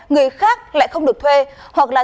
người khác lại không được thuê hoặc là